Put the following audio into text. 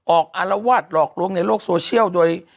อารวาสหลอกลวงในโลกโซเชียลโดย